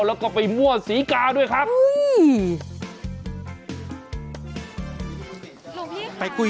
แล้วก็ไปมั่วสีกาด้วยครับอุ๊ย